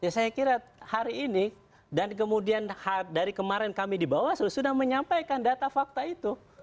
saya kira hari ini dan kemudian dari kemarin kami di bawaslu sudah menyampaikan data fakta itu